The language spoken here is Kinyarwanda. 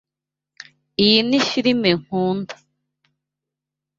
Iyi ni firime nkunda.